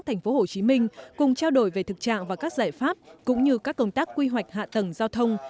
thành phố hồ chí minh cùng trao đổi về thực trạng và các giải pháp cũng như các công tác quy hoạch hạ tầng giao thông